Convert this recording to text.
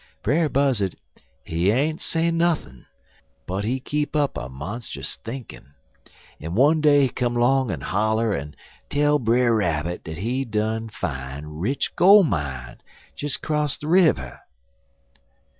"Brer Buzzard, he ain't sayin' nuthin', but he keep up a monstus thinkin', en one day he come 'long en holler en tell Brer Rabbit dat he done fine rich gol' mine des 'cross de river.